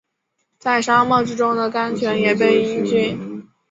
在沙漠之中的甘泉也被饮尽